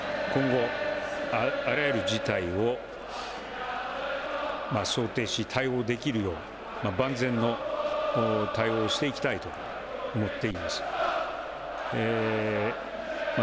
政府としては今後、あらゆる事態を想定し、対応できるよう万全の対応をしていきたいと思っています。